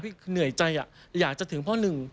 เหนื่อยใจอยากจะถึงพ่อหนึ่ง